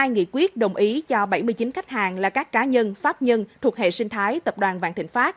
hai nghị quyết đồng ý cho bảy mươi chín khách hàng là các cá nhân pháp nhân thuộc hệ sinh thái tập đoàn vạn thịnh pháp